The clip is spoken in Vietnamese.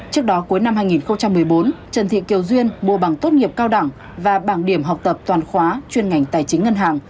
trước đó cuối năm hai nghìn một mươi bốn trần thị kiều duyên mua bằng tốt nghiệp cao đẳng và bảng điểm học tập toàn khóa chuyên ngành tài chính ngân hàng